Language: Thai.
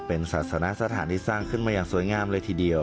เป็นศาสนสถานที่สร้างขึ้นมาอย่างสวยงามเลยทีเดียว